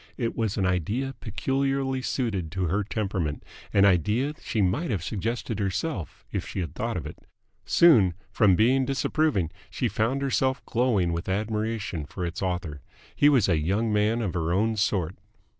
It was an idea peculiarly suited to her temperament, an idea that she might have suggested herself if she had thought of it. Soon, from being disapproving, she found herself glowing with admiration for its author. He was a young man of her own sort!